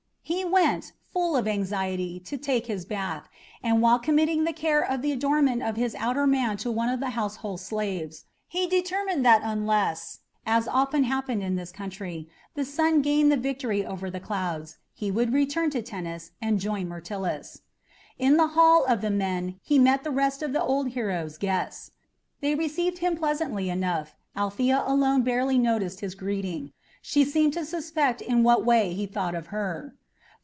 He went, full of anxiety, to take his bath, and, while committing the care of the adornment of his outer man to one of the household slaves, he determined that unless as often happened in this country the sun gained the victory over the clouds, he would return to Tennis and join Myrtilus. In the hall of the men he met the rest of the old hero's guests. They received him pleasantly enough, Althea alone barely noticed his greeting; she seemed to suspect in what way he thought of her.